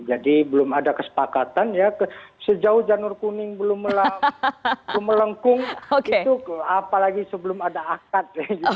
jadi belum ada kesepakatan ya sejauh janur kuning belum melengkung apalagi sebelum ada akad